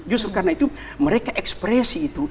justru karena itu mereka ekspresi itu